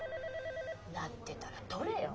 鳴ってたら取れよ。